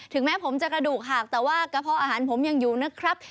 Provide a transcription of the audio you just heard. แม้ผมจะกระดูกหักแต่ว่ากระเพาะอาหารผมยังอยู่นะครับ